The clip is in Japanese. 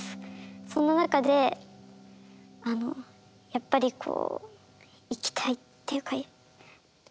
その中でやっぱりこう頑張りたいなっていうのが。